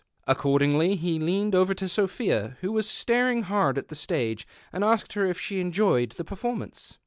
Accord ingh', he leaned over to Soi)hia, who was staring hard at the stage, and asked her if she enjoyed the performance.